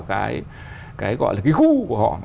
cái gọi là cái gu của họ